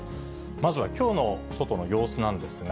まずはきょうの外の様子なんですが。